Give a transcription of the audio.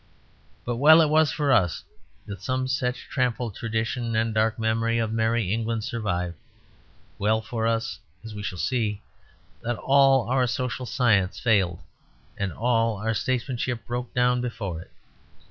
But well it was for us that some such trampled tradition and dark memory of Merry England survived; well for us, as we shall see, that all our social science failed and all our statesmanship broke down before it.